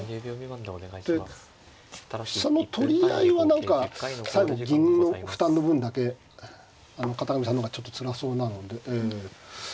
で飛車の取り合いは何か最後銀の負担の分だけ片上さんの方がちょっとつらそうなので。